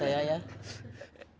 aku akan berangkat